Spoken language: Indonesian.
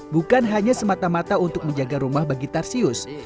bukan hanya semata mata untuk menjaga rumah bagi tarsius